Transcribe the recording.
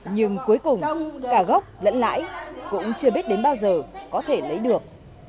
nhưng cuối cùng cả gốc lẫn lãi cũng chưa biết đến bao giờ có thể lấy được